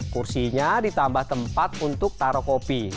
kursinya ditambah tempat untuk taruh kopi